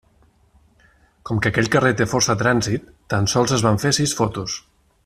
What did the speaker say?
Com que aquell carrer té força trànsit, tan sols es van fer sis fotos.